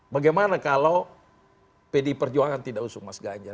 bagaimana kalau pdi perjuangan tidak usung mas ganjar